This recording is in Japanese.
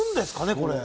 これ。